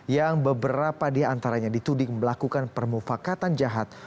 yang beberapa diantaranya dituding melakukan permufakatan jahat